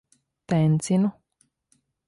Tencinu.